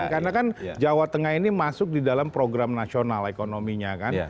karena kan jawa tengah ini masuk di dalam program nasional ekonominya kan